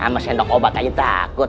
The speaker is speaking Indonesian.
sama sendok obat aja takut